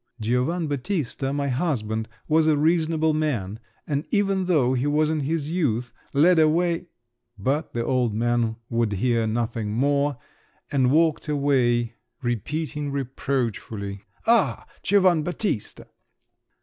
"Giovan' Battista, my husband, was a reasonable man, and even though he was in his youth led away …" But the old man would hear nothing more, and walked away, repeating reproachfully, "Ah! Giovan' Battista!